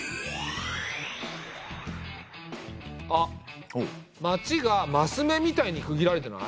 あっ町がマス目みたいに区切られてない？